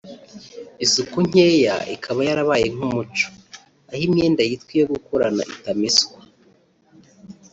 isuku nkeya ikaba yarabaye nk’umuco aho imyenda yitwa iyo gukorana itameswa